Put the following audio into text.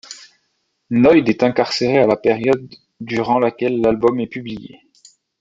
Noyd est incarcéré à la période durant laquelle l'album est publié.